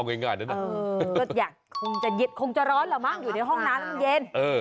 คงจะร้อนเหรอมั้งอยู่ในห้องน้ำมันเย็น